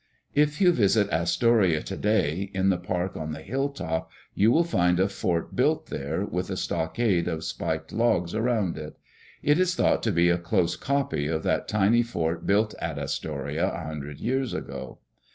If you visit Astoria today, in the park on the hilltop you will find a fort built there, with a stockade of spiked logs around it. It is thought to be a close copy of that tiny fort built at Astoria a hundred years ago.